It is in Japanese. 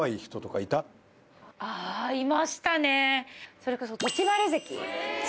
それこそ。